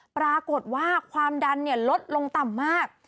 ปรากฏว่าความดันลดลงต่ำมาก